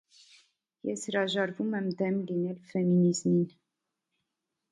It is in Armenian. Ես հրաժարվում եմ դեմ լինել ֆեմինիզմին։